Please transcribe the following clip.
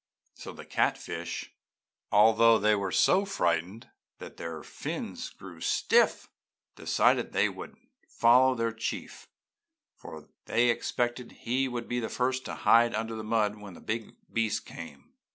"So the catfish, although they were so frightened that their fins grew stiff, decided that they would follow their chief, for they expected he would be the first to hide under the mud when the big beast came.